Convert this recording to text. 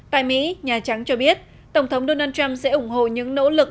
tại mỹ nhà trắng cho biết tổng thống donald trump sẽ ủng hộ những nỗ lực